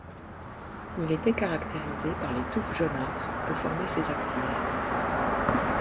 Il était caractérisé par les touffes jaunâtres que formaient ses axillaires.